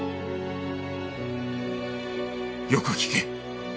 よく聞け！